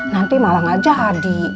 nanti malah nggak jadi